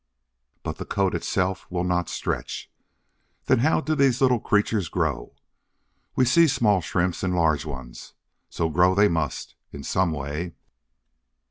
But the coat itself will not stretch. Then how do these little creatures grow? We see small Shrimps and large ones, so grow they must, in some way.